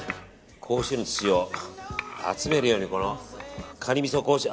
甲子園の土を集めるようにこのカニみそ甲子園。